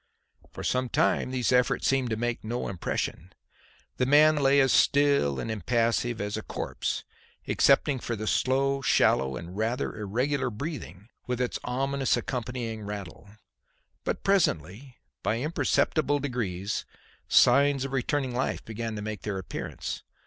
For some time these efforts seemed to make no impression. The man lay as still and impassive as a corpse excepting for the slow, shallow and rather irregular breathing with its ominous accompanying rattle. But presently, by imperceptible degrees, signs of returning life began to make their appearance.